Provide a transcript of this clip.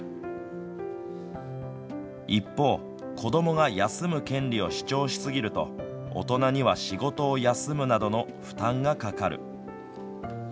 一方、子どもが休む権利を主張しすぎると大人には仕事を休むなどの負担がかかる。